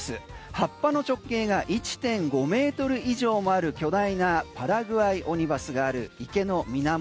葉っぱの直径が１．５ｍ以上もある巨大なパラグアイオニバスがある池の水面。